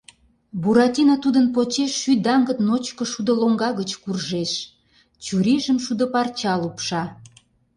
Буратино тудын почеш шӱй даҥыт ночко шудо лоҥга гыч куржеш, чурийжым шудо парча лупша.